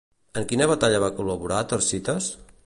En quina batalla va col·laborar Tersites?